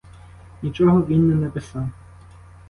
Нічого він не написав.